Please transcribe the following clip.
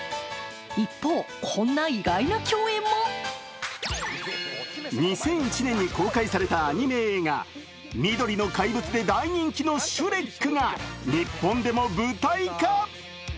一方、こんな意外な共演も２００１年に公開されたアニメ映画、緑の怪物で大人気の「シュレック」が日本でも舞台化。